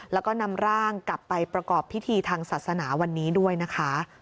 แล้วก็นำร่างกลับไปประกอบพิธีทางศาสนาวันนี้ด้วยนะคะ